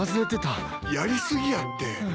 やり過ぎやって。